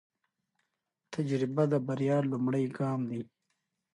تجربه د بریا لومړی ګام دی.